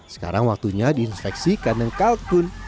sekarang waktunya diinspeksi kandang kalkun